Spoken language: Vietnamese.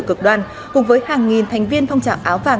cực đoan cùng với hàng nghìn thành viên phong trào áo vàng